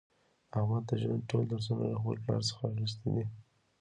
احمد د ژوند ټول درسونه له خپل پلار څخه اخیستي دي.